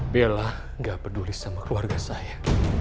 bella gak peduli sama keluarga saya